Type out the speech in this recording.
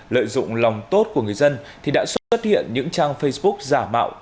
lợi dụng lòng tốt của người dân thì đã xuất hiện những trang facebook giả mạo